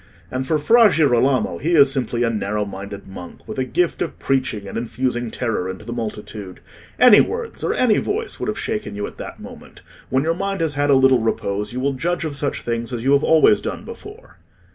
And for Fra Girolamo, he is simply a narrow minded monk, with a gift of preaching and infusing terror into the multitude. Any words or any voice would have shaken you at that moment. When your mind has had a little repose, you will judge of such things as you have always done before."